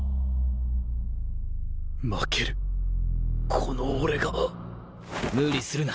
負けるこの俺が？無理するな。